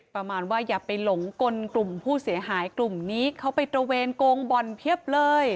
ประมาณว่าอย่าไปหลงกลกลุ่มผู้เสียหายกลุ่มนี้เขาไปตระเวนโกงบ่อนเพียบเลย